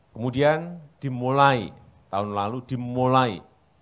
kemudian dimulai tahun lalu dimulai